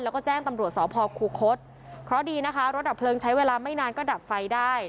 แล้วก็แจ้งตำรวจสพคูคศเพราะดีนะคะรถดับเพลิงใช้เวลาไม่นานก็ดับไฟได้